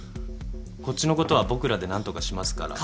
こっちのことは僕らで何とかしますから。